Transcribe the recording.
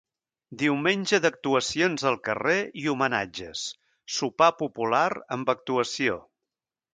Diumenge d'actuacions al carrer i homenatges, sopar popular amb actuació.